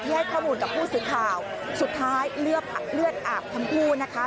ที่ให้ข้อมูลกับผู้สิทธิ์ข่าวสุดท้ายเลือกอาบทั้งผู้นะคะ